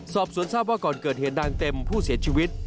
สอบสวนทราบว่าก่อนเกิดเหตุนางเต็มผู้เสียชีวิต